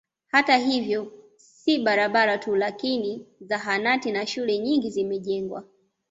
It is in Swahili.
Hata hivyo si barabara tu lakini zahanati na shule nyingi zimejengwa